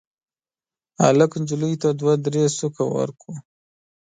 هلک نجلۍ ته دوه درې سوکه ورکړل.